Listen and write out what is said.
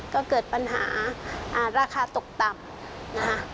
ก็เกิดปัญหาราคาตกต่ำนะคะ